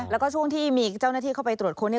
แล้วก็ช่วงที่มีเจ้าหน้าที่เข้าไปตรวจค้น